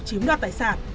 chiếm đoạt tài sản